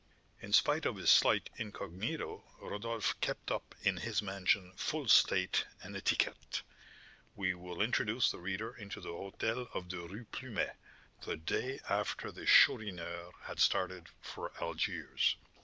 In spite of his slight incognito, Rodolph kept up in his mansion full state and etiquette. We will introduce the reader into the hôtel of the Rue Plumet, the day after the Chourineur had started for Algiers.